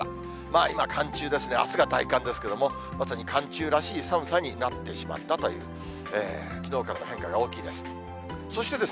今、寒中ですね、あすが大寒ですけれども、まさに寒中らしい寒さになってしまったという、きのうからの変化が大きいです。